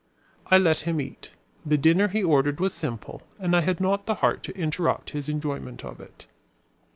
I let him eat. The dinner he ordered was simple and I had not the heart to interrupt his enjoyment of it.